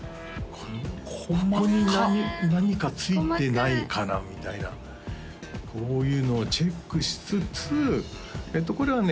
ここに何か付いてないかなみたいなこういうのをチェックしつつこれはね